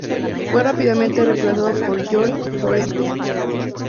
Fue rápidamente reemplazado por John Forsythe.